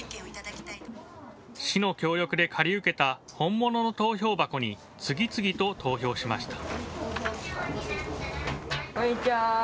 市の協力で借り受けた本物の投票箱に次々と投票しました。